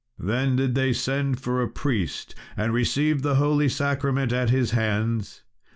Then did they send for a priest, and received the holy sacrament at his hands.